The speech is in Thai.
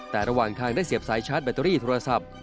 แต่ระหว่างทางได้เสียบสายชาร์จแบตเตอรี่โทรศัพท์